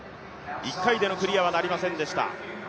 １回目でのクリアはなりませんでした。